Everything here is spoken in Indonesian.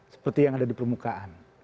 seperti yang ada di permukaan